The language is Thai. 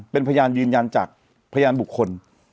เป็นพยานยืนยันจากพยานบุคคล